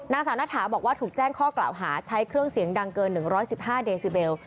นางสาวนัทธาบอกว่าถูกแจ้งข้อกล่าวหาใช้เครื่องเสียงดังเกิน๑๑๕เดซิเบล